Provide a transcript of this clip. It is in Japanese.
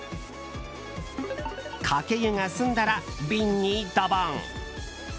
かけ湯が済んだら、瓶にドボン！